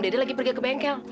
dede lagi pergi ke bengkel